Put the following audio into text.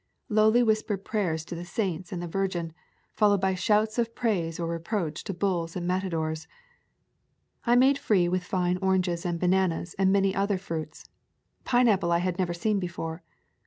Lowly whis pered prayers to the saints and the Virgin, fol lowed by shouts of praise or reproach to bulls and matadors! I made free with fine oranges and bananas and many other fruits. Pineapple I had never seen before.